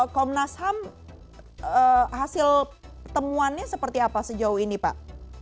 komnas ham hasil temuannya seperti apa sejauh ini pak